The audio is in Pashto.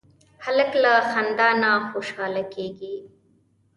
هلک له خندا نه خوشحاله کېږي.